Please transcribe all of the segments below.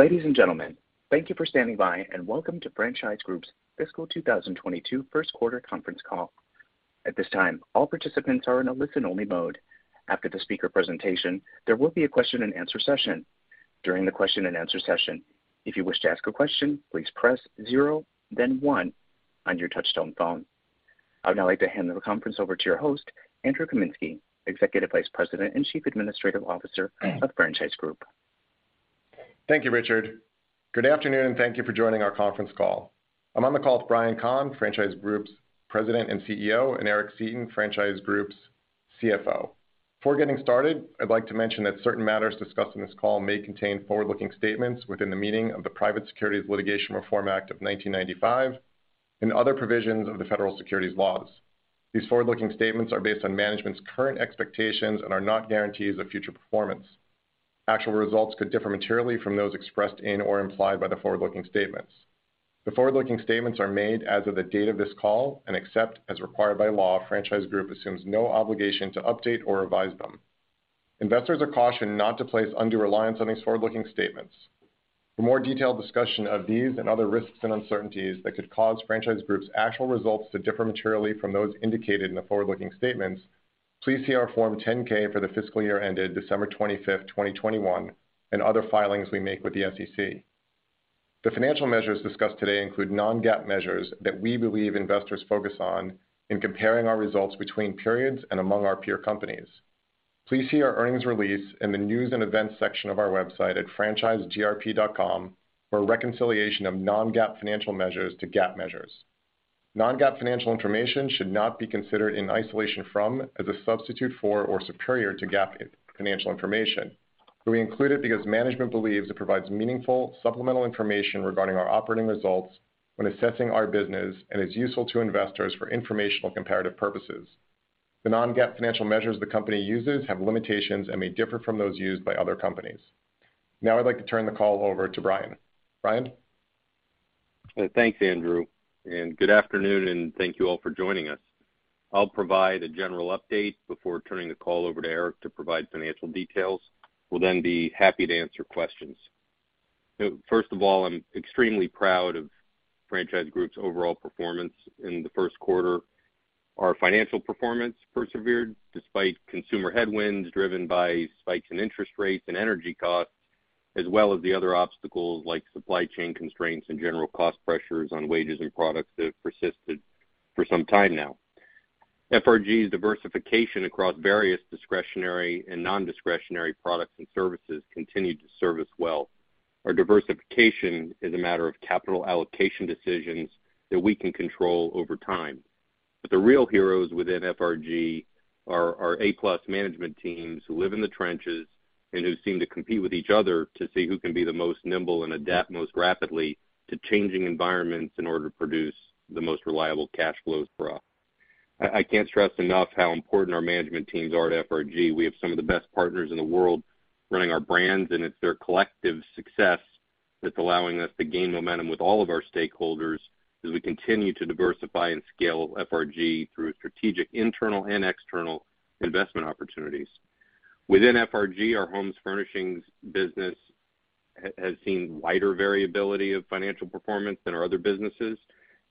Ladies and gentlemen, thank you for standing by and welcome to Franchise Group's fiscal 2022 first quarter conference call. At this time, all participants are in a listen-only mode. After the speaker presentation, there will be a question and answer session. During the question and answer session, if you wish to ask a question, please press zero, then one on your touchtone phone. I'd now like to hand the conference over to your host, Andrew Kaminsky, Executive Vice President and Chief Administrative Officer of Franchise Group. Thank you, Richard. Good afternoon, and thank you for joining our conference call. I'm on the call with Brian Kahn, Franchise Group's President and CEO, and Eric Seeton, Franchise Group's CFO. Before getting started, I'd like to mention that certain matters discussed in this call may contain forward-looking statements within the meaning of the Private Securities Litigation Reform Act of 1995 and other provisions of the federal securities laws. These forward-looking statements are based on management's current expectations and are not guarantees of future performance. Actual results could differ materially from those expressed in or implied by the forward-looking statements. The forward-looking statements are made as of the date of this call, and except as required by law, Franchise Group assumes no obligation to update or revise them. Investors are cautioned not to place undue reliance on these forward-looking statements. For more detailed discussion of these and other risks and uncertainties that could cause Franchise Group's actual results to differ materially from those indicated in the forward-looking statements, please see our Form 10-K for the fiscal year ended December 25, 2021, and other filings we make with the SEC. The financial measures discussed today include non-GAAP measures that we believe investors focus on in comparing our results between periods and among our peer companies. Please see our earnings release in the news and events section of our website at franchisegrp.com for reconciliation of non-GAAP financial measures to GAAP measures. Non-GAAP financial information should not be considered in isolation from, as a substitute for, or superior to GAAP financial information. We include it because management believes it provides meaningful supplemental information regarding our operating results when assessing our business and is useful to investors for informational comparative purposes. The non-GAAP financial measures the company uses have limitations and may differ from those used by other companies. Now I'd like to turn the call over to Brian. Brian? Thanks Andrew, and good afternoon, and thank you all for joining us. I'll provide a general update before turning the call over to Eric to provide financial details. We'll then be happy to answer questions. First of all, I'm extremely proud of Franchise Group's overall performance in the first quarter. Our financial performance persevered despite consumer headwinds driven by spikes in interest rates and energy costs, as well as the other obstacles like supply chain constraints and general cost pressures on wages and products that have persisted for some time now. FRG's diversification across various discretionary and non-discretionary products and services continue to serve us well. Our diversification is a matter of capital allocation decisions that we can control over time. The real heroes within FRG are A-plus management teams who live in the trenches and who seem to compete with each other to see who can be the most nimble and adapt most rapidly to changing environments in order to produce the most reliable cash flows for us. I can't stress enough how important our management teams are to FRG. We have some of the best partners in the world running our brands, and it's their collective success that's allowing us to gain momentum with all of our stakeholders as we continue to diversify and scale FRG through strategic internal and external investment opportunities. Within FRG, our home furnishings business has seen wider variability of financial performance than our other businesses,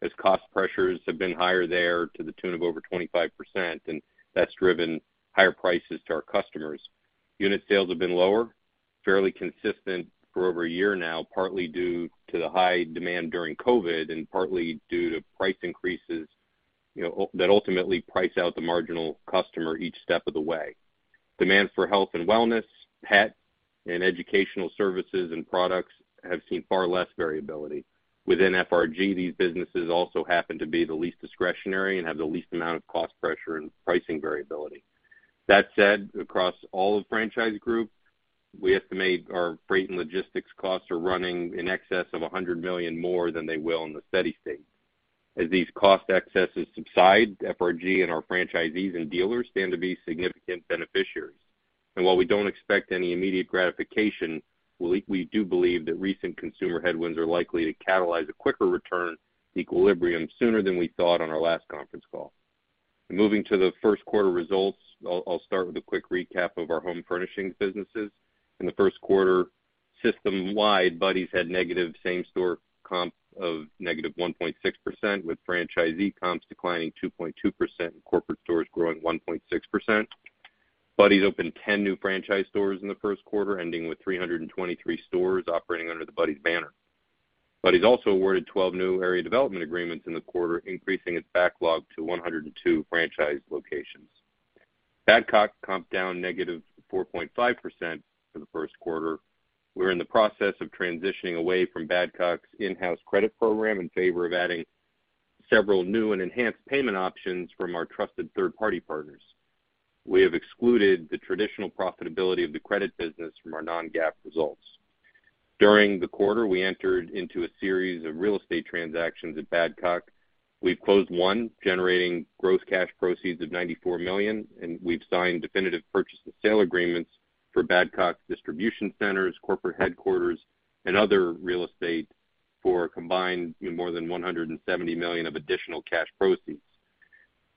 as cost pressures have been higher there to the tune of over 25%, and that's driven higher prices to our customers. Unit sales have been lower, fairly consistent for over a year now, partly due to the high demand during COVID and partly due to price increases that ultimately price out the marginal customer each step of the way. Demand for health and wellness, pet, and educational services and products have seen far less variability. Within FRG, these businesses also happen to be the least discretionary and have the least amount of cost pressure and pricing variability. That said, across all of Franchise Group, we estimate our freight and logistics costs are running in excess of $100 million more than they will in the steady state. As these cost excesses subside, FRG and our franchisees and dealers stand to be significant beneficiaries. While we don't expect any immediate gratification, we do believe that recent consumer headwinds are likely to catalyze a quicker return to equilibrium sooner than we thought on our last conference call. Moving to the first quarter results, I'll start with a quick recap of our home furnishings businesses. In the first quarter, system-wide, Buddy's had negative same store comp of -1.6%, with franchisee comps declining 2.2% and corporate stores growing 1.6%. Buddy's opened 10 new franchise stores in the first quarter, ending with 323 stores operating under the Buddy's banner. Buddy's also awarded 12 new area development agreements in the quarter, increasing its backlog to 102 franchise locations. Badcock comped down -4.5% for the first quarter. We're in the process of transitioning away from Badcock's in-house credit program in favor of adding several new and enhanced payment options from our trusted third-party partners. We have excluded the traditional profitability of the credit business from our non-GAAP results. During the quarter, we entered into a series of real estate transactions at Badcock. We've closed one, generating gross cash proceeds of $94 million, and we've signed definitive purchase and sale agreements for Badcock's distribution centers, corporate headquarters, and other real estate for a combined more than $170 million of additional cash proceeds.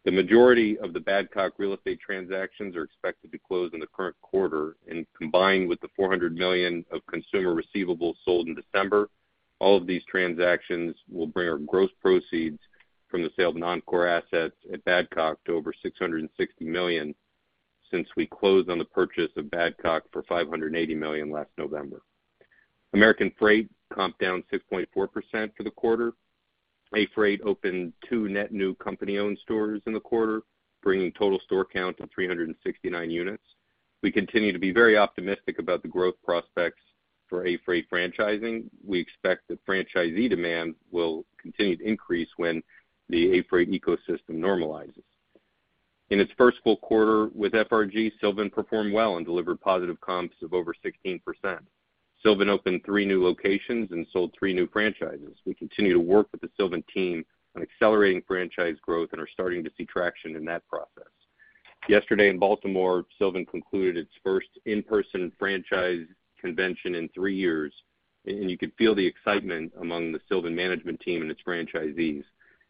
The majority of the Badcock real estate transactions are expected to close in the current quarter, and combined with the $400 million of consumer receivables sold in December, all of these transactions will bring our gross proceeds from the sale of non-core assets at Badcock to over $660 million since we closed on the purchase of Badcock for $580 million last November. American Freight comped down 6.4% for the quarter. American Freight opened two net new company-owned stores in the quarter, bringing total store count to 369 units. We continue to be very optimistic about the growth prospects for American Freight franchising. We expect that franchisee demand will continue to increase when the American Freight ecosystem normalizes. In its first full quarter with FRG, Sylvan performed well and delivered positive comps of over 16%. Sylvan opened three new locations and sold three new franchises. We continue to work with the Sylvan team on accelerating franchise growth and are starting to see traction in that process. Yesterday in Baltimore, Sylvan concluded its first in-person franchise convention in three years, and you could feel the excitement among the Sylvan management team and its franchisees.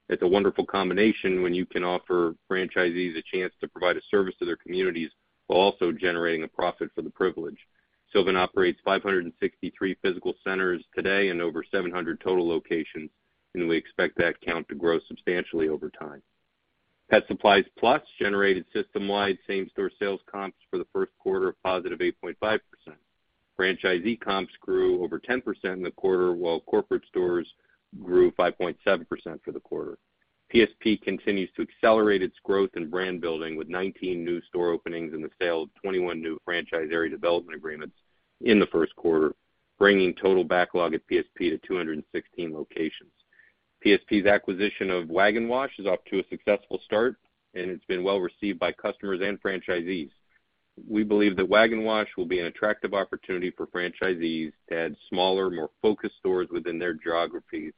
It's a wonderful combination when you can offer franchisees a chance to provide a service to their communities while also generating a profit for the privilege. Sylvan operates 563 physical centers today and over 700 total locations, and we expect that count to grow substantially over time. Pet Supplies Plus generated system-wide same-store sales comps for the first quarter of +8.5%. Franchisee comps grew over 10% in the quarter, while corporate stores grew 5.7% for the quarter. PSP continues to accelerate its growth in brand building with 19 new store openings and the sale of 21 new franchise area development agreements in the first quarter, bringing total backlog at PSP to 216 locations. PSP's acquisition of Wag N' Wash is off to a successful start, and it's been well-received by customers and franchisees. We believe that Wag N' Wash will be an attractive opportunity for franchisees to add smaller, more focused stores within their geographies,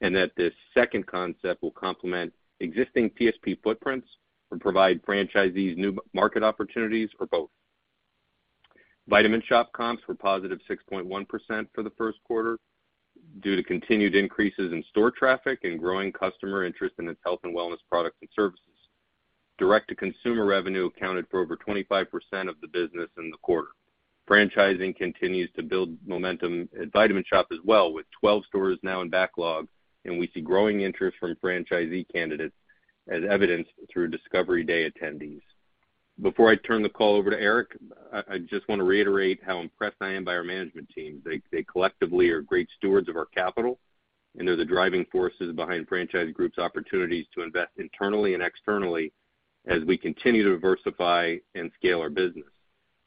and that this second concept will complement existing PSP footprints and provide franchisees new market opportunities for both. The Vitamin Shoppe comps were positive 6.1% for the first quarter due to continued increases in store traffic and growing customer interest in its health and wellness products and services. Direct-to-consumer revenue accounted for over 25% of the business in the quarter. Franchising continues to build momentum at The Vitamin Shoppe as well, with 12 stores now in backlog, and we see growing interest from franchisee candidates as evidenced through Discovery Day attendees. Before I turn the call over to Eric, I just want to reiterate how impressed I am by our management team. They collectively are great stewards of our capital, and they're the driving forces behind Franchise Group's opportunities to invest internally and externally as we continue to diversify and scale our business.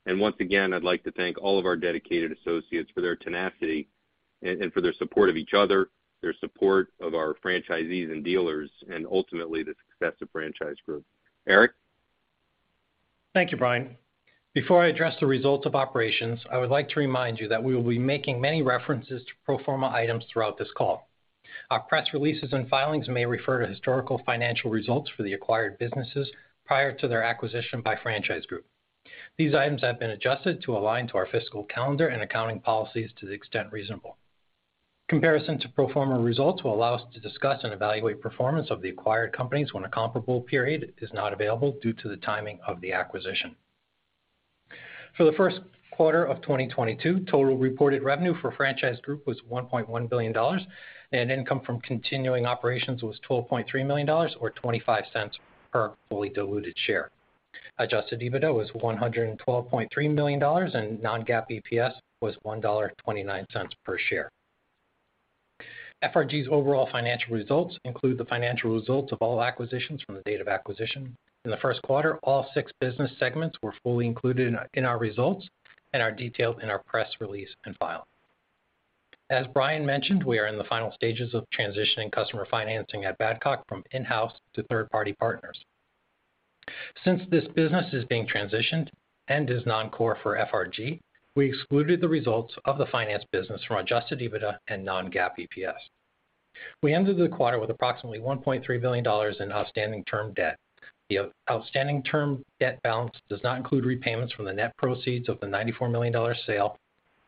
Once again, I'd like to thank all of our dedicated associates for their tenacity and for their support of each other, their support of our franchisees and dealers and ultimately, the success of Franchise Group. Eric? Thank you, Brian. Before I address the results of operations, I would like to remind you that we will be making many references to pro forma items throughout this call. Our press releases and filings may refer to historical financial results for the acquired businesses prior to their acquisition by Franchise Group. These items have been adjusted to align to our fiscal calendar and accounting policies to the extent reasonable. Comparison to pro forma results will allow us to discuss and evaluate performance of the acquired companies when a comparable period is not available due to the timing of the acquisition. For the first quarter of 2022, total reported revenue for Franchise Group was $1.1 billion, and income from continuing operations was $12.3 million or $0.25 per fully diluted share. Adjusted EBITDA was $112.3 million, and non-GAAP EPS was $1.29 per share. FRG's overall financial results include the financial results of all acquisitions from the date of acquisition. In the first quarter, all six business segments were fully included in our results and are detailed in our press release and filing. As Brian mentioned, we are in the final stages of transitioning customer financing at Badcock from in-house to third-party partners. Since this business is being transitioned and is non-core for FRG, we excluded the results of the finance business from Adjusted EBITDA and non-GAAP EPS. We ended the quarter with approximately $1.3 billion in outstanding term debt. The outstanding term debt balance does not include repayments from the net proceeds of the $94 million sale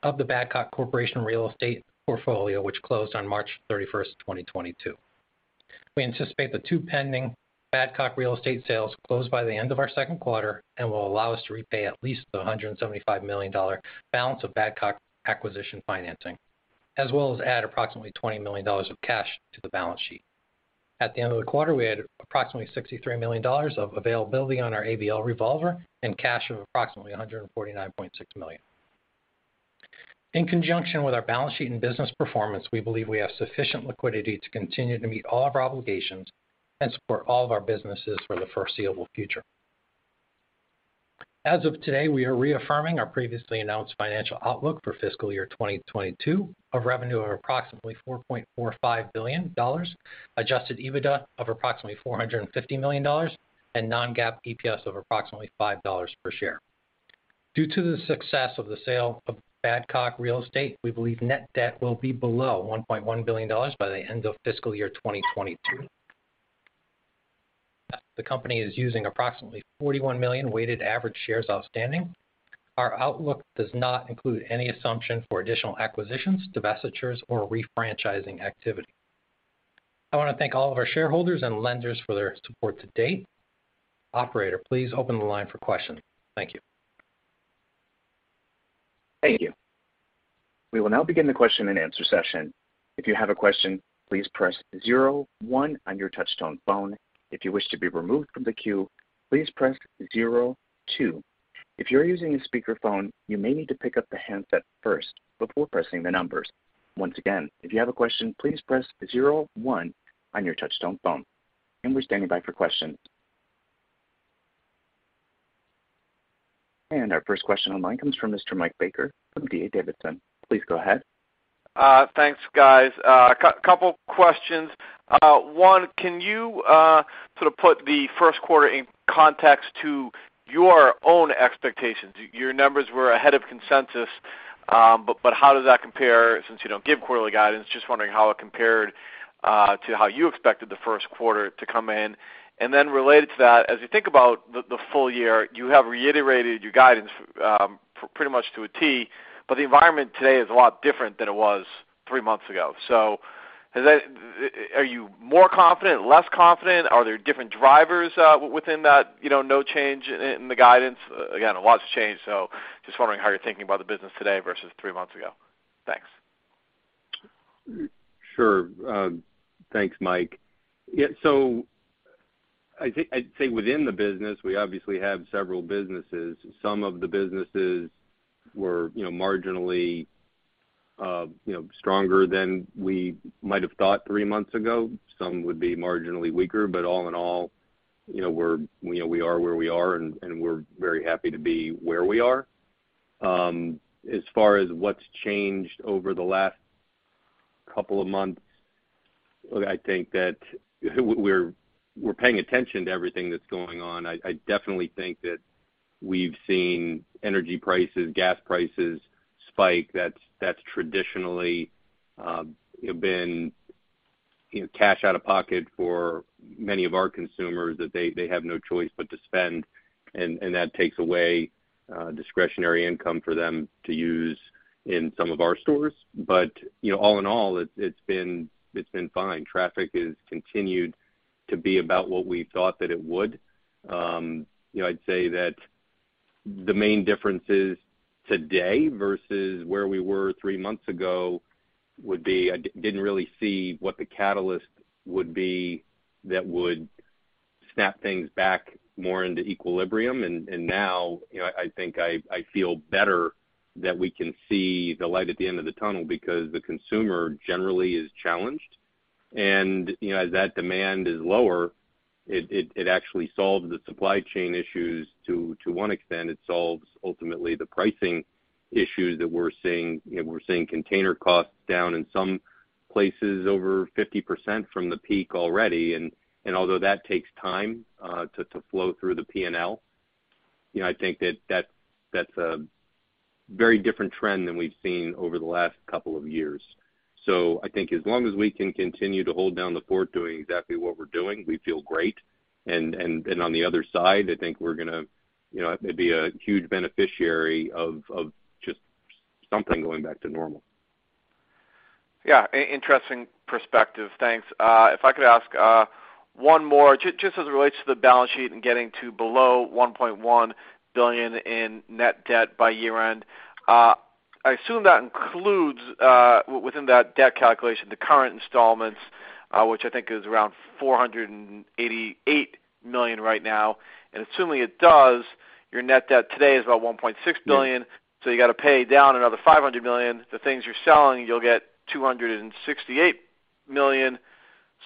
of the Badcock Corporation real estate portfolio, which closed on March 31, 2022. We anticipate the two pending Badcock real estate sales close by the end of our second quarter and will allow us to repay at least the $175 million balance of Badcock acquisition financing, as well as add approximately $20 million of cash to the balance sheet. At the end of the quarter, we had approximately $63 million of availability on our ABL revolver and cash of approximately $149.6 million. In conjunction with our balance sheet and business performance, we believe we have sufficient liquidity to continue to meet all of our obligations and support all of our businesses for the foreseeable future. As of today, we are reaffirming our previously announced financial outlook for fiscal year 2022 of revenue of approximately $4.45 billion, Adjusted EBITDA of approximately $450 million, and non-GAAP EPS of approximately $5 per share. Due to the success of the sale of Badcock Real Estate, we believe net debt will be below $1.1 billion by the end of fiscal year 2022. The company is using approximately 41 million weighted average shares outstanding. Our outlook does not include any assumption for additional acquisitions, divestitures, or refranchising activity. I wanna thank all of our shareholders and lenders for their support to date. Operator, please open the line for questions. Thank you. Thank you. We will now begin the question-and-answer session. If you have a question, please press zero one on your touchtone phone. If you wish to be removed from the queue, please press zero two. If you're using a speakerphone, you may need to pick up the handset first before pressing the numbers. Once again, if you have a question, please press zero one on your touchtone phone. We're standing by for questions. Our first question on the line comes from Mr. Mike Baker from D.A. Davidson. Please go ahead. Thanks, guys. A couple questions. One, can you put the first quarter in context to your own expectations? Your numbers were ahead of consensus, but how does that compare since you don't give quarterly guidance? Just wondering how it compared to how you expected the first quarter to come in. Then related to that, as you think about the full year, you have reiterated your guidance pretty much to a T, but the environment today is a lot different than it was three months ago. Are you more confident, less confident? Are there different drivers within that, you know, no change in the guidance? Again, a lot's changed, so just wondering how you're thinking about the business today versus three months ago. Thanks. Sure. Thanks, Mike. So I'd say within the business, we obviously have several businesses. Some of the businesses were, you know, marginally stronger than we might have thought three months ago. Some would be marginally weaker, but all in all, we are where we are, and we're very happy to be where we are. As far as what's changed over the last couple of months, I think that we're paying attention to everything that's going on. I definitely think that we've seen energy prices, gas prices spike. That's traditionally been, you know, cash out of pocket for many of our consumers that they have no choice but to spend, and that takes away discretionary income for them to use in some of our stores. All in all, it's been fine. Traffic has continued to be about what we thought that it would. You know, I'd say that the main differences today versus where we were three months ago would be I didn't really see what the catalyst would be that would snap things back more into equilibrium. Now, I think I feel better that we can see the light at the end of the tunnel because the consumer generally is challenged. As that demand is lower, it actually solves the supply chain issues to one extent. It solves ultimately the pricing issues that we're seeing. You know, we're seeing container costs down in some places over 50% from the peak already. Although that takes time to flow through the P&L, I think that that's a very different trend than we've seen over the last couple of years. I think as long as we can continue to hold down the fort doing exactly what we're doing, we feel great. On the other side, I think we're gonna be a huge beneficiary of just something going back to normal. Yeah. Interesting perspective. Thanks. If I could ask one more, just as it relates to the balance sheet and getting to below $1.1 billion in net debt by year-end. I assume that includes, within that debt calculation, the current installments, which I think is around $488 million right now. Assuming it does, your net debt today is about $1.6 billion, so you gotta pay down another $500 million. The things you're selling, you'll get $268 million.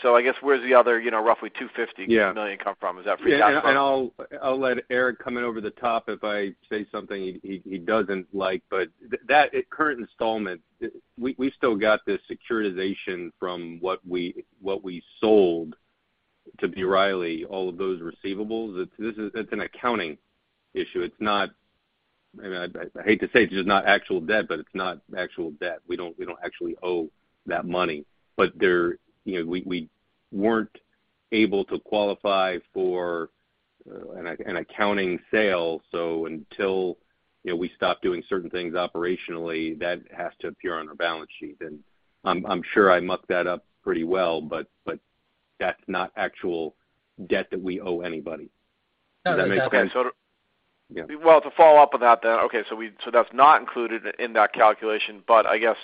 I guess where's the other, you know, roughly $250 million come from? Is that free cash flow? I'll let Eric come in over the top if I say something he doesn't like. That, at current installment, we still got this securitization from what we sold to B. Riley, all of those receivables. It's an accounting issue. It's not. I mean, I hate to say this is not actual debt, but it's not actual debt. We don't actually owe that money. You know, we weren't able to qualify for an accounting sale, so until we stop doing certain things operationally, that has to appear on our balance sheet. I'm sure I mucked that up pretty well, but that's not actual debt that we owe anybody. No, definitely. Does that make sense? Yeah. Well, to follow up on that then, okay, so that's not included in that calculation. I guess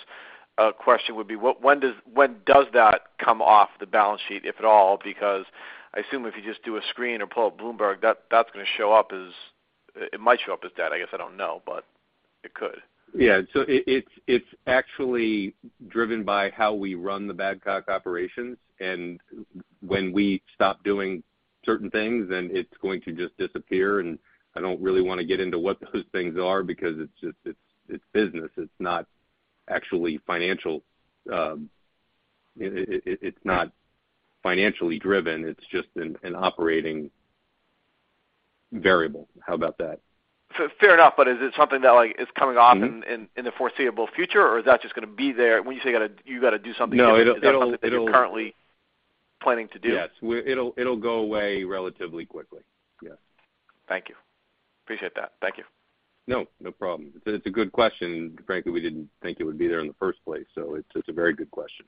question would be, when does that come off the balance sheet, if at all? Because I assume if you just do a screen or pull up Bloomberg, that's gonna show up as. It might show up as debt. I guess I don't know, but it could. Yeah. It's actually driven by how we run the Badcock operations. When we stop doing certain things, it's going to just disappear. I don't really wanna get into what those things are because it's just business. It's not actually financial. It's not financially driven. It's just an operating variable. How about that? Fair enough. Is it something that is coming off in the foreseeable future, or is that just gonna be there? When you say you gotta do something? Is that something that you're currently? Planning to do? Yes. It'll go away relatively quickly. Yes. Thank you. Appreciate that. Thank you. No problem. It's a good question. Frankly, we didn't think it would be there in the first place, so it's a very good question.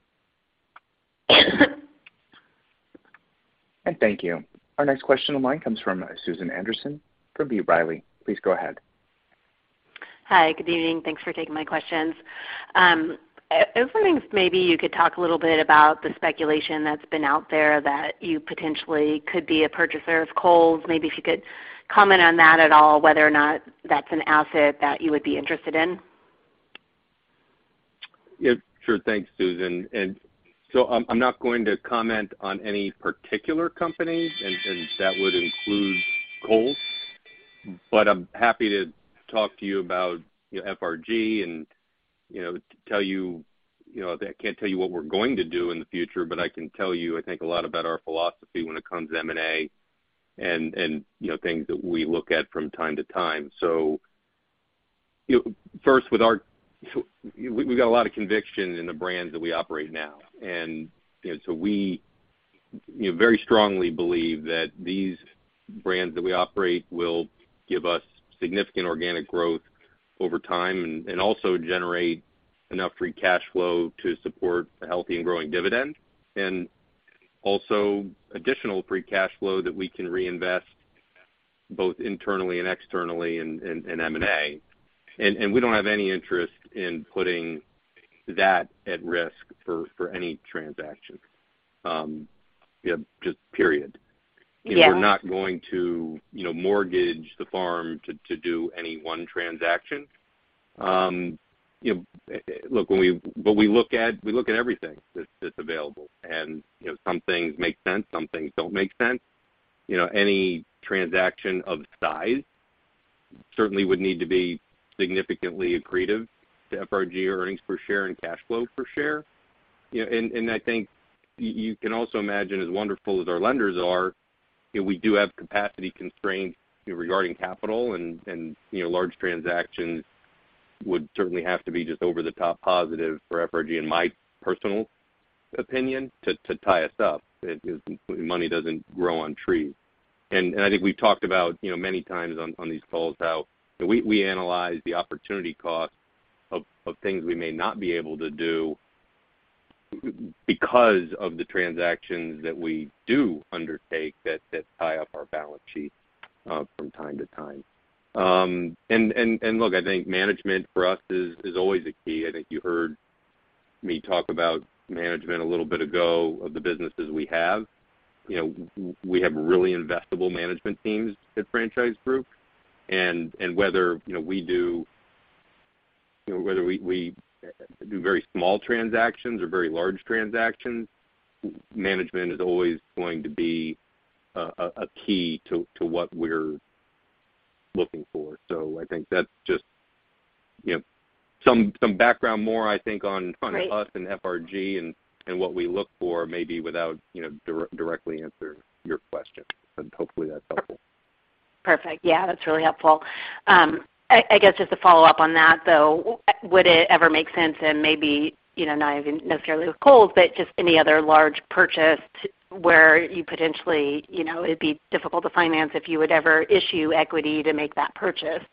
Thank you. Our next question comes from Susan Anderson from B. Riley. Please go ahead. Hi, good evening. Thanks for taking my questions. I was wondering if maybe you could talk a little bit about the speculation that's been out there that you potentially could be a purchaser of Kohl's. Maybe if you could comment on that at all, whether or not that's an asset that you would be interested in. Sure. Thanks, Susan. I'm not going to comment on any particular companies and that would include Kohl's, but I'm happy to talk to you about FRG and, you know, tell you. You know, I can't tell you what we're going to do in the future, but I can tell you, I think, a lot about our philosophy when it comes to M&A and, you know, things that we look at from time to time. You know, first, we got a lot of conviction in the brands that we operate now. We very strongly believe that these brands that we operate will give us significant organic growth over time and also generate enough free cash flow to support a healthy and growing dividend, and also additional free cash flow that we can reinvest both internally and externally in M&A. We don't have any interest in putting that at risk for any transaction, you know, just period. We're not going to, you know, mortgage the farm to do any one transaction. You know, we look at everything that's available. You know, some things make sense, some things don't make sense. You know, any transaction of size certainly would need to be significantly accretive to FRG earnings per share and cash flow per share. You know, and I think you can also imagine, as wonderful as our lenders are, you know, we do have capacity constraints regarding capital and, you know, large transactions would certainly have to be just over the top positive for FRG, in my personal opinion, to tie us up. Money doesn't grow on trees. I think we've talked about, you know, many times on these calls how, you know, we analyze the opportunity cost of things we may not be able to do because of the transactions that we do undertake that tie up our balance sheet from time to time. Look, I think management for us is always a key. I think you heard me talk about management a little bit ago of the businesses we have. You know, we have really investable management teams at Franchise Group. Whether we do very small transactions or very large transactions, management is always going to be a key to what we're looking for. I think that's just, you know, some background more, I think, on us. FRG and what we look for, maybe without, you know, directly answering your question. Hopefully that's helpful. Perfect. Yeah, that's really helpful. I guess just to follow up on that, though, would it ever make sense and maybe, you know, not even necessarily with Kohl's, but just any other large purchase where you potentially, you know, it'd be difficult to finance if you would ever issue equity to make that purchase?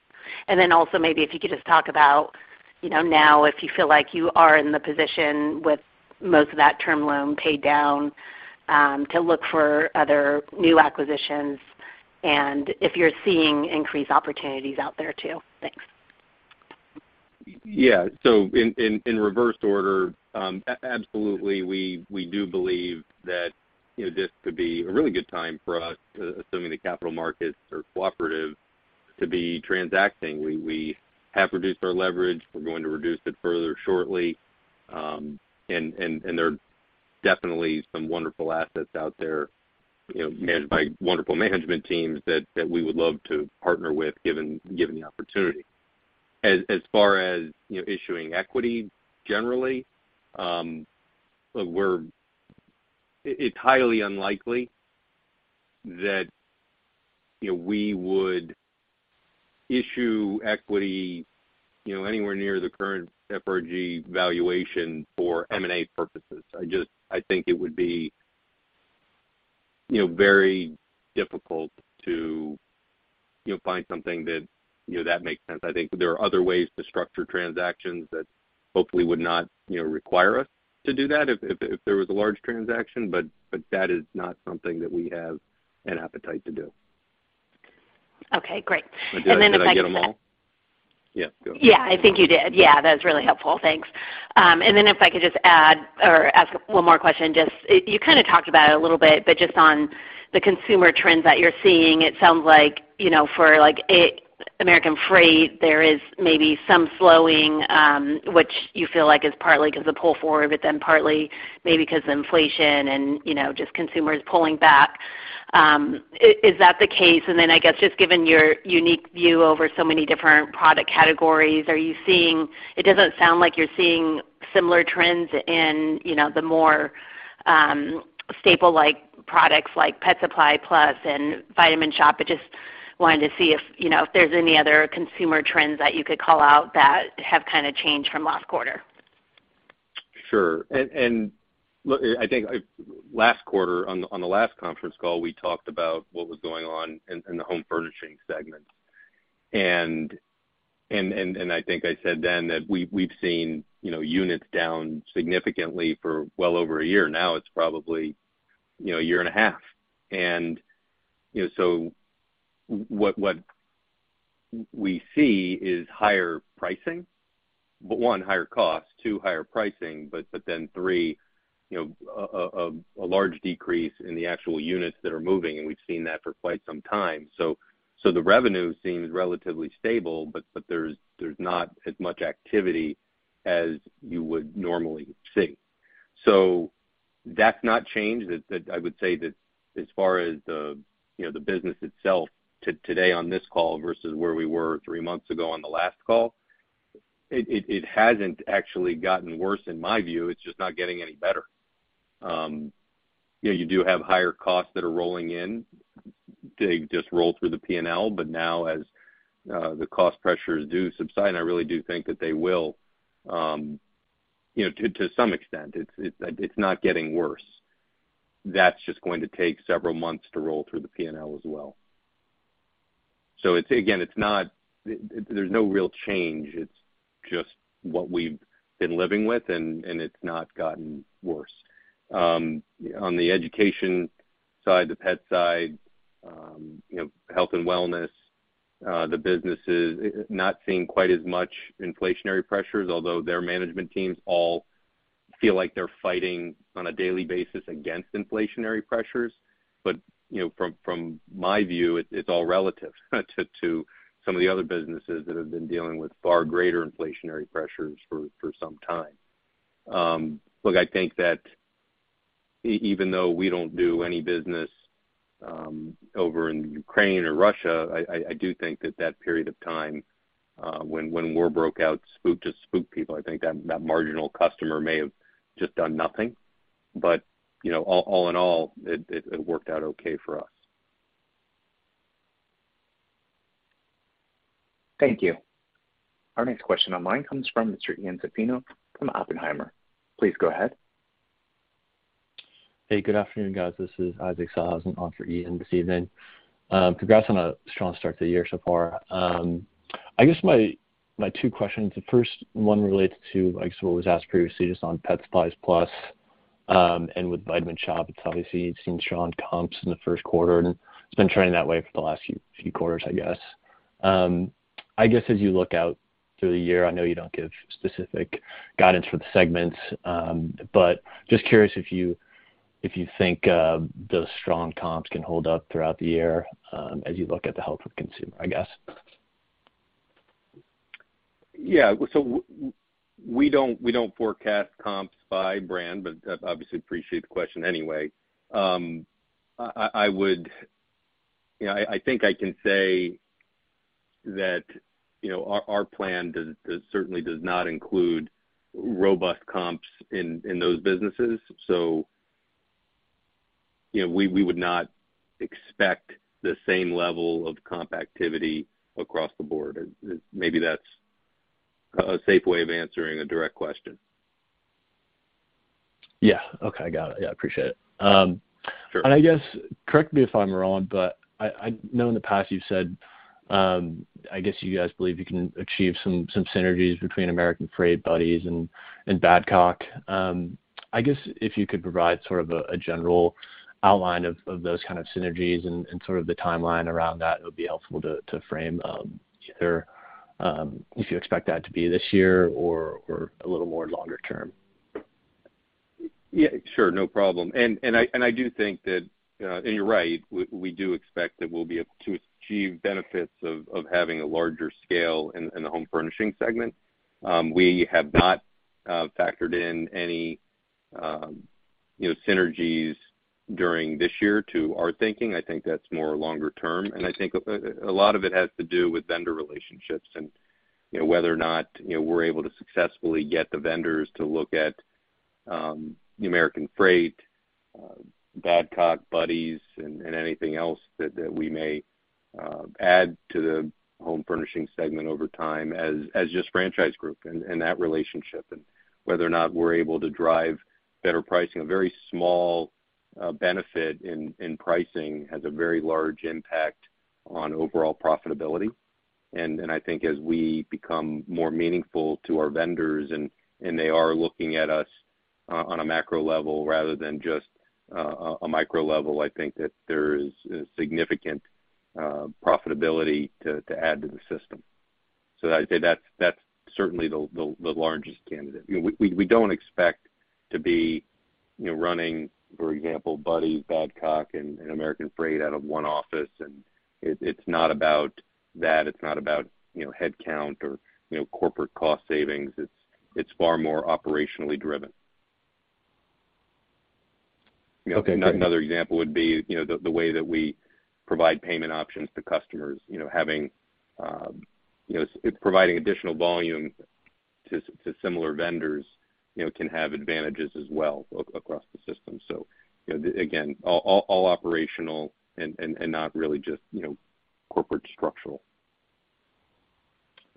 Also maybe if you could just talk about, you know, now if you feel like you are in the position with most of that term loan paid down, to look for other new acquisitions and if you're seeing increased opportunities out there too? Thanks. Yeah. In reverse order, absolutely, we do believe that, you know, this could be a really good time for us, assuming the capital markets are cooperative, to be transacting. We have reduced our leverage. We're going to reduce it further shortly. There are definitely some wonderful assets out there, you know, managed by wonderful management teams that we would love to partner with, given the opportunity. As far as, you know, issuing equity generally, it's highly unlikely that, you know, we would issue equity, you know, anywhere near the current FRG valuation for M&A purposes. I think it would be, you know, very difficult to find something that makes sense. I think there are other ways to structure transactions that hopefully would not, you know, require us to do that if there was a large transaction, but that is not something that we have an appetite to do. Okay, great. Did I get them all? Yeah, go ahead. Yeah, I think you did. Yeah, that's really helpful. Thanks. If I could just add or ask one more question. Just, you kind of talked about it a little bit, but just on the consumer trends that you're seeing, it sounds like, you know, for like a, American Freight, there is maybe some slowing, which you feel like is partly because the pull-forward, but then partly maybe because of inflation and, you know, just consumers pulling back. Is that the case? I guess just given your unique view over so many different product categories, it doesn't sound like you're seeing similar trends in, you know, the more, staple-like products like Pet Supplies Plus and Vitamin Shoppe. I just wanted to see if there's any other consumer trends that you could call out that have kind of changed from last quarter. Sure. Look, I think last quarter on the last conference call, we talked about what was going on in the home furnishing segment. I think I said then that we've seen, you know, units down significantly for well over a year now. It's probably, you know, a year and a half. You know, so what we see is higher pricing, but one, higher cost, two, higher pricing, but then three, you know, a large decrease in the actual units that are moving, and we've seen that for quite some time. So the revenue seems relatively stable, but there's not as much activity as you would normally see. So that's not changed. I would say that as far as the, you know, the business itself today on this call versus where we were three months ago on the last call, it hasn't actually gotten worse in my view. It's just not getting any better. You know, you do have higher costs that are rolling in. They just roll through the P&L. Now as the cost pressures do subside, and I really do think that they will, you know, to some extent, it's not getting worse. That's just going to take several months to roll through the P&L as well. It's, again, it's not. There's no real change. It's just what we've been living with and it's not gotten worse. On the education side, the pet side, you know, health and wellness, the businesses not seeing quite as much inflationary pressures, although their management teams all feel like they're fighting on a daily basis against inflationary pressures. You know, from my view, it's all relative to some of the other businesses that have been dealing with far greater inflationary pressures for some time. I think that even though we don't do any business over in Ukraine or Russia, I do think that that period of time when war broke out just spooked people. I think that that marginal customer may have just done nothing. You know, all in all, it worked out okay for us. Thank you. Our next question online comes from Mr. Ian Zaffino from Oppenheimer. Please go ahead. Hey, good afternoon, guys. This is Isaac Sellhausen in for Ian Zaffino this evening. Congrats on a strong start to the year so far. I guess my two questions, the first one relates to like sort of what was asked previously just on Pet Supplies Plus, and with Vitamin Shoppe. It's obviously seen strong comps in the first quarter and it's been trending that way for the last few quarters I guess. I guess as you look out through the year, I know you don't give specific guidance for the segments, but just curious if you think those strong comps can hold up throughout the year, as you look at the health of consumer, I guess. We don't forecast comps by brand, but obviously appreciate the question anyway. I think I can say that, you know, our plan certainly does not include robust comps in those businesses. You know, we would not expect the same level of comp activity across the board. Maybe that's a safe way of answering a direct question. Okay. Got it. Yeah, appreciate it. Sure. I guess, correct me if I'm wrong, but I know in the past you've said, I guess you guys believe you can achieve some synergies between American Freight, Buddy's and Badcock. I guess if you could provide sort of a general outline of those kind of synergies and sort of the timeline around that, it would be helpful to frame if you expect that to be this year or a little more longer-term. Sure, no problem. I do think that you're right, we do expect that we'll be able to achieve benefits of having a larger scale in the home furnishing segment. We have not factored in any, you know, synergies during this year to our thinking. I think that's more longer-term. I think a lot of it has to do with vendor relationships and, you know, whether or not, you know, we're able to successfully get the vendors to look at the American Freight, Badcock, Buddy's and anything else that we may add to the home furnishing segment over time as just Franchise Group and that relationship and whether or not we're able to drive better pricing. A very small benefit in pricing has a very large impact on overall profitability. I think as we become more meaningful to our vendors and they are looking at us on a macro level rather than just a micro level, I think that there is a significant profitability to add to the system. I'd say that's certainly the largest candidate. You know, we don't expect to be, you know, running, for example, Buddy's, Badcock and American Freight out of one office. It's not about that. It's not about, you know, headcount or, you know, corporate cost savings. It's far more operationally driven. Okay. You know, another example would be, you know, the way that we provide payment options to customers, you know, providing additional volume to similar vendors, you know, can have advantages as well across the system. You know, again, all operational and not really just, you know, corporate structural.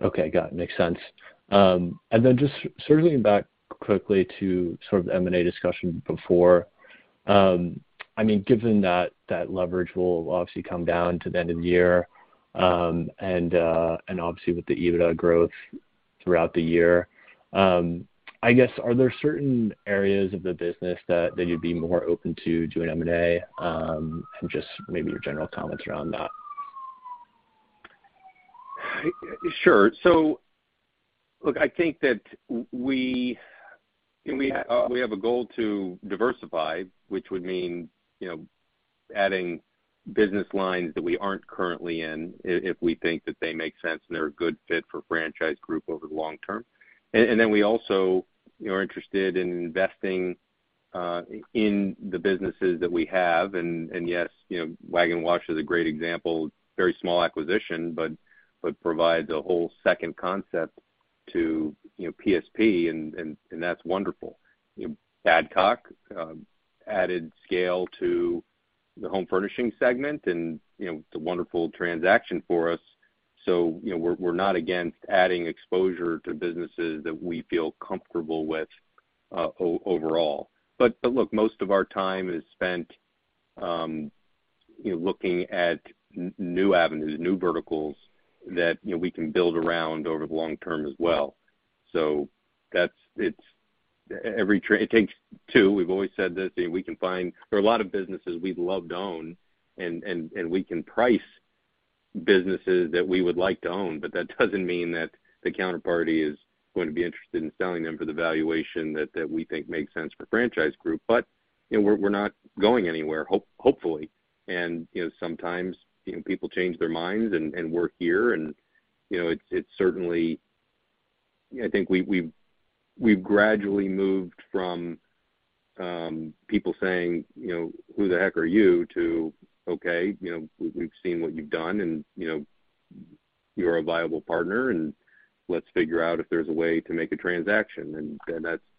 Okay. Got it. Makes sense. Just circling back quickly to sort of the M&A discussion before. I mean, given that leverage will obviously come down to the end of the year, and obviously with the EBITDA growth throughout the year, I guess, are there certain areas of the business that you'd be more open to doing M&A? Just maybe your general comments around that. Sure. Look, I think that we have a goal to diversify, which would mean, you know, adding business lines that we aren't currently in if we think that they make sense and they're a good fit for Franchise Group over the long-term. We also are interested in investing in the businesses that we have. Yes, you know, Wag N' Wash is a great example, very small acquisition, but provides a whole second concept to PSP, and that's wonderful. You know, Badcock added scale to the home furnishings segment and, you know, it's a wonderful transaction for us. You know, we're not against adding exposure to businesses that we feel comfortable with overall. Look, most of our time is spent, you know, looking at new avenues, new verticals that, you know, we can build around over the long-term as well. It's every trade it takes two. We've always said that we can find. There are a lot of businesses we'd love to own and we can price businesses that we would like to own, but that doesn't mean that the counterparty is going to be interested in selling them for the valuation that we think makes sense for Franchise Group. You know, we're not going anywhere, hopefully. You know, sometimes, you know, people change their minds and we're here. I think we've gradually moved from people saying, you know, "Who the heck are you?" to, "Okay, you know, we've seen what you've done and, you know, you're a viable partner, and let's figure out if there's a way to make a transaction."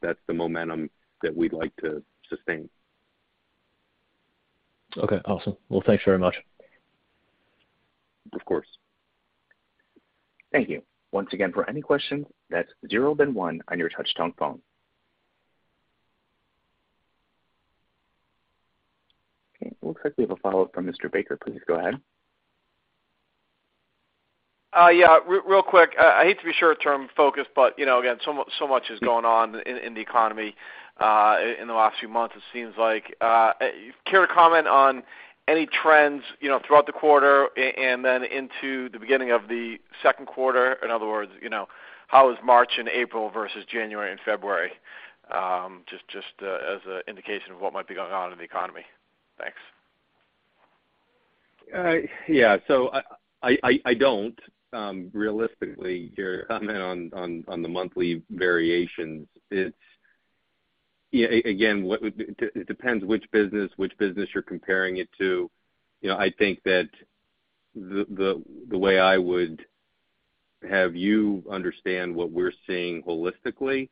That's the momentum that we'd like to sustain. Okay. Awesome. Well, thanks very much. Of course. Thank you. Once again, for any questions, that's zero then one on your touch-tone phone. Okay, it looks like we have a follow-up from Mr. Baker. Please go ahead. Real quick. I hate to be short-term focused, but you know, again, so much is going on in the economy in the last few months it seems like. Care to comment on any trends, you know, throughout the quarter and then into the beginning of the second quarter? In other words, you know, how is March and April versus January and February just as an indication of what might be going on in the economy? Thanks. I don't realistically comment on the monthly variations. It depends which business you're comparing it to. You know, I think that the way I would have you understand what we're seeing holistically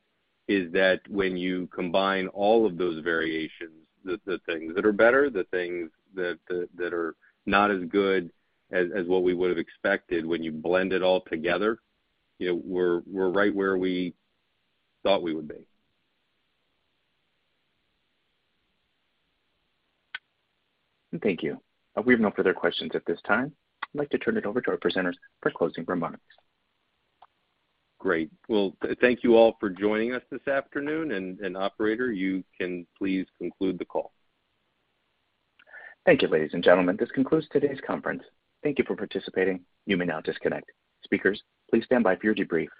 is that when you combine all of those variations, the things that are better, the things that are not as good as what we would have expected, when you blend it all together, you know, we're right where we thought we would be. Thank you. We have no further questions at this time. I'd like to turn it over to our presenters for closing remarks. Great. Well, thank you all for joining us this afternoon, and operator, you can please conclude the call. Thank you, ladies and gentlemen. This concludes today's conference. Thank you for participating. You may now disconnect. Speakers, please stand by for your debrief.